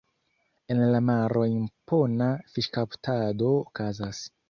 En la maro impona fiŝkaptado okazas.